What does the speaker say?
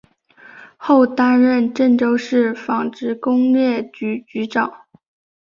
后担任郑州市纺织工业局局长。